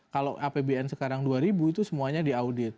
kalau apbn sekarang rp dua itu semuanya diaudit